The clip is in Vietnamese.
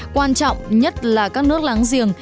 quan trọng nhất là các nước láng giềng